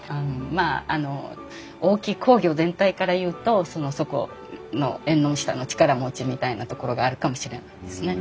あの大きい工業全体からいうとその底の縁の下の力持ちみたいなところがあるかもしれないですね。